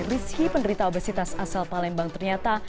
rizky penderita obesitas asal palembang ternyata